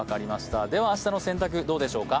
明日の洗濯、どうでしょうか。